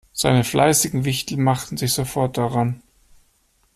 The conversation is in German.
Seine fleißigen Wichtel machten sich sofort daran.